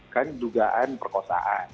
kan dugaan perkosaan